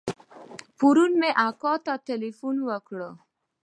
پرون مې اکا ته ټېلفون وکړ.